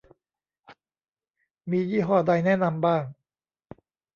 มียี่ห้อใดแนะนำบ้าง~